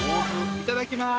いただきます。